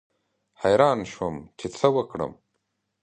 حیران شوم چې څه وکړم.